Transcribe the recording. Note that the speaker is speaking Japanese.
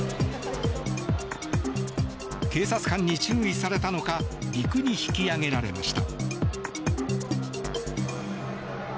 警察官に注意されたのか陸に引き上げられました。